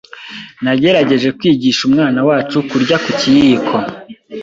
Nagerageje kwigisha umwana wacu kurya ku kiyiko.